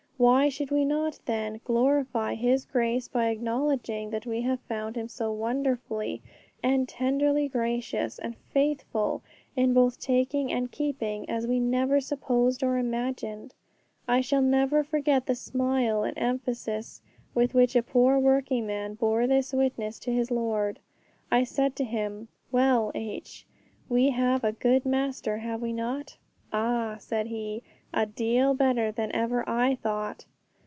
Why should we not, then, glorify His grace by acknowledging that we have found Him so wonderfully and tenderly gracious and faithful in both taking and keeping as we never supposed or imagined? I shall never forget the smile and emphasis with which a poor working man bore this witness to his Lord. I said to him, 'Well, H., we have a good Master, have we not?' 'Ah,' said he, 'a deal better than ever I thought!'